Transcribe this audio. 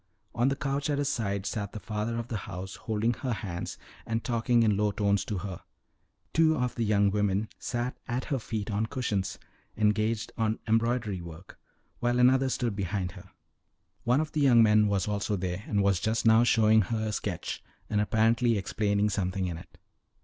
On the couch at her side sat the father of the house, holding her hand and talking in low tones to her; two of the young women sat at her feet on cushions, engaged on embroidery work, while another stood behind her; one of the young men was also there, and was just now showing her a sketch, and apparently explaining something in it.